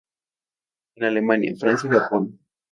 En Alemania, Francia y Japón.